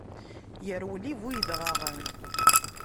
Irwel i bu yedɣaɣen.